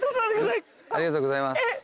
ありがとうございます。